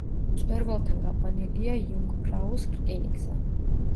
მწვერვალთან გაყვანილია იუნგფრაუს რკინიგზა.